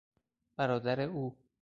برادر او